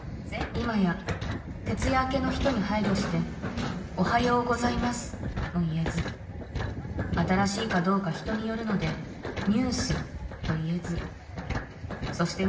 今や徹夜明けの人に配慮して「おはようございます」も言えず新しいかどうか人によるので「ニュース」と言えずそして